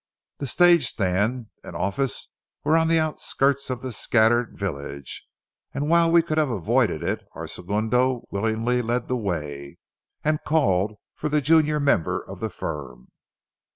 The stage stand and office were on the outskirts of the scattered village, and while we could have avoided it, our segundo willingly led the way, and called for the junior member of the firm.